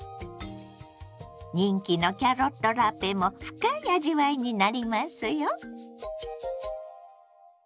人気のキャロットラペも深い味わいになりますよ。